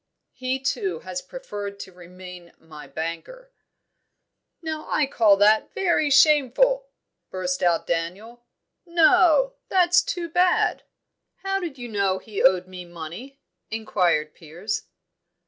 "He too has preferred to remain my banker." "Now I call that very shameful!" burst out Daniel. "No, that's too bad!" "How did you know he owed me money?" inquired Piers.